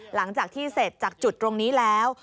หลังจากที่เสร็จจากจุดตรงนี้แล้ว